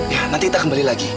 ya nanti kita kembali lagi